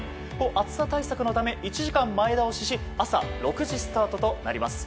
暑さ対策のため１時間前倒しし朝６時スタートとなります。